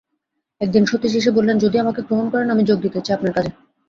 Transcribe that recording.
একদিন সতীশ এসে বললেন, যদি আমাকে গ্রহণ করেন আমি যোগ দিতে চাই আপনার কাজে।